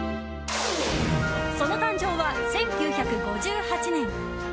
その誕生は１９５８年。